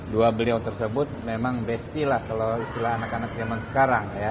dua beliau tersebut memang besti lah kalau istilah anak anak zaman sekarang ya